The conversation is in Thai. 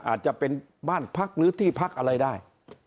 อาจจะเป็นบ้านพักหรือที่พักอะไรได้